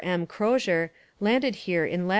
M. Crozier landed here in Lat.